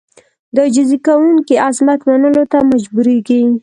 د عاجزي کوونکي عظمت منلو ته مجبورېږي.